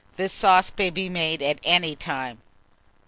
This sauce may be made at any time.